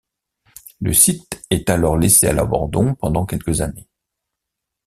Le site est alors laissé à l’abandon pendant quelques années.